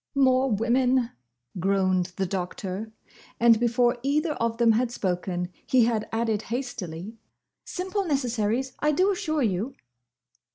"More women!" groaned the Doctor; and before either of them had spoken he had added hastily, "Simple necessaries, I do assure you!"